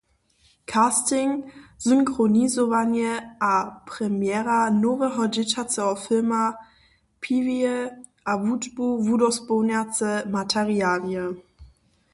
- casting, synchronizowanje a premjera noweho dźěćaceho filma „Peeweeje“ a wučbu wudospołnjace materialije.